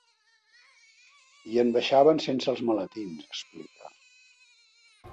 I en baixaven sense els maletins, explica.